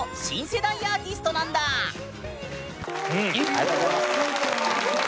ありがとうございます。